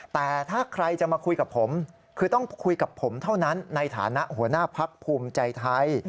แต่ถ้าใครจะมาคุยกับผมคือต้องคุยกับผมเท่านั้นในฐานะหัวหน้าพักภูมิใจไทย